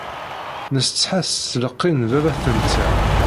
Nessetḥa s tleqqi n baba-tenteɣ.